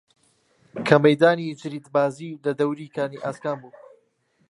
کە مەیدانی جریدبازی لە دەوری کانی ئاسکان بوو